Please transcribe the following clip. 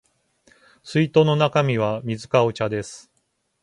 水筒の中身は水かお茶です